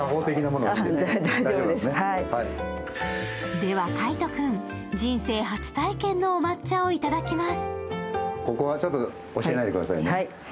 では、海音君、人生初体験のお抹茶をいただきます。